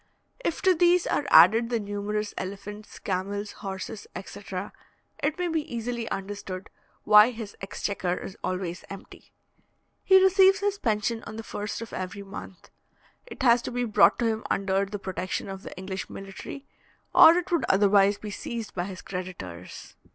If to these are added the numerous elephants, camels, horses, etc., it may be easily understood why his exchequer is always empty. He receives his pension on the first of every month. It has to be brought to him under the protection of the English military, or it would otherwise be seized by his creditors.